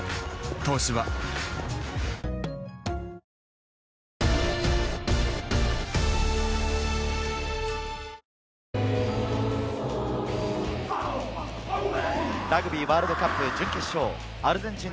「東芝」ラグビーワールドカップ準決勝、アルゼンチン